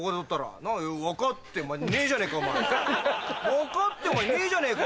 分かってねえじゃねぇか！